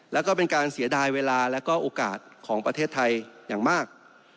แล้วก็เป็นการเสียดายเวลาและก็โอกาสของประเทศไทยอย่างมาก